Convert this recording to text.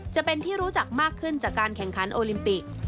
จะเป็นที่รู้จักมากขึ้นจากการแข่งขันโอลิมปิก